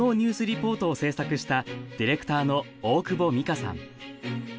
リポートを制作したディレクターの大久保美佳さん。